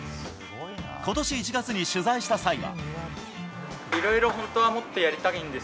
今年１月に取材した際は。